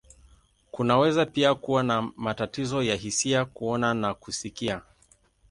Kunaweza pia kuwa na matatizo ya hisia, kuona, na kusikia.